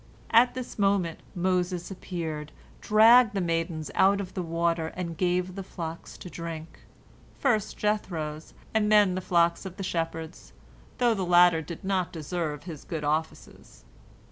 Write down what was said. At this moment Moses appeared, dragged the maidens out of the water, and gave the flocks to drink, first Jethro's and then the flocks of the shep herds, though the latter did not deserve his good offices.